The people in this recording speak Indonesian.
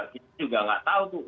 kita juga nggak tahu tuh